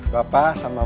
bapak sama emak